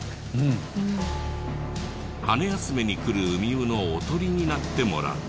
羽休めに来るウミウのおとりになってもらう。